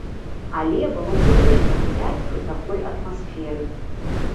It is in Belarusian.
Але было прыемна гуляць пры такой атмасферы.